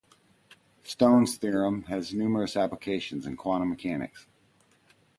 Stone's theorem has numerous applications in quantum mechanics.